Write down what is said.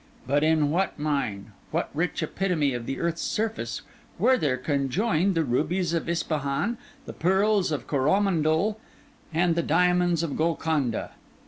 But in what mine, what rich epitome of the earth's surface, were there conjoined the rubies of Ispahan, the pearls of Coromandel, and the diamonds of Golconda?